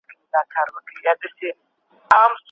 که چیرې شیدې ونه څښل شي، بدن کې کیلشیم کمېږي.